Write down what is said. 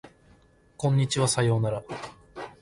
こんにちはさようなら